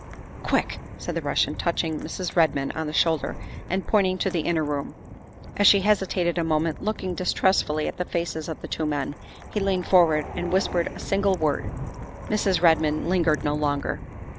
" Quick!" said the Russian, touching Mrs. Redmond on the shoulder and pointing to the inner room. As she hesitated a moment, looking distrustfully at the faces of the two men, he leaned forward and whispered a single 166 THE WIFE OF word. Mrs. Redmond lingered no longer.